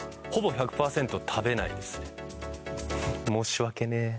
ほぼ１００％食べないですね。